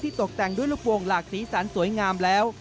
ตกแต่งด้วยลูกวงหลากสีสันสวยงามแล้ว